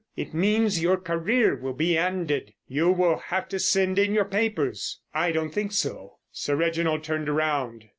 It means your career will be ended. You will have to send in your papers." "I don't think so." Sir Reginald turned round.